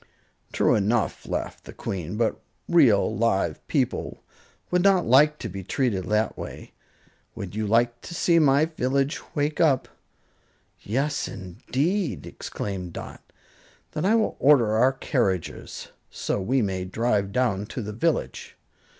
"True enough," laughed the Queen; "but real, live people would not like to be treated that way. Would you like to see my village wake up?" "Yes, indeed!" exclaimed Dot. "Then I will order our carriages so we may drive down to the village."